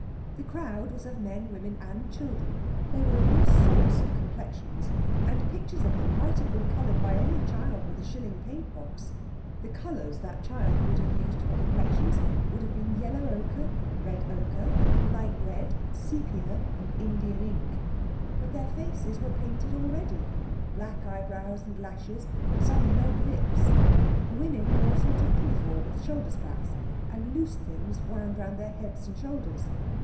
The crowd was of men, women, and children. They were of all sorts of complexions, and pictures of them might have been coloured by any child with a shilling paint box. The colours that child would have used for complexions would have been yellow ochre, red ochre, light red, sepia, and indian ink. But their faces were painted already—black eyebrows and lashes, and some red lips. The women wore a sort of pinafore with shoulder straps, and loose things wound round their heads and shoulders.